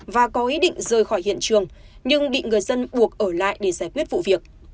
và có ý định rời khỏi hiện trường nhưng bị người dân buộc ở lại để giải quyết vụ việc